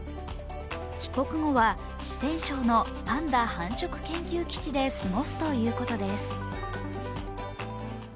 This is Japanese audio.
帰国後は四川省のパンダ繁殖研究基地で過ごすということです。